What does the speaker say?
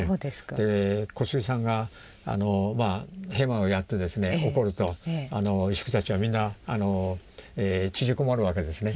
小杉さんがヘマをやってですね怒ると石工たちはみんな縮こまるわけですね。